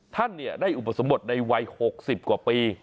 ท่านได้อุปสมบทในวัย๖๐กว่าปี